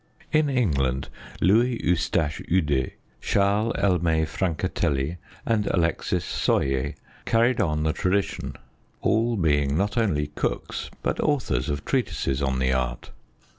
In England Louis Eustache Ude, Charles Elme Francatelli, and Alexis Soyer carried on the tradition, all being not only cooks but authors of treatises on the art.